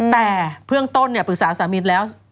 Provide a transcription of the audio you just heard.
แต่เพื่อนกับต้นปรึกษาสามีแล้ว